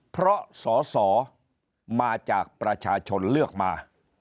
เพราะสอสอมาจากประชาชนเลือกมา